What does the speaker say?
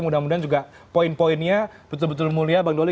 mudah mudahan juga poin poinnya betul betul mulia bang doli